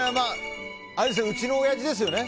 うちのおやじですよね。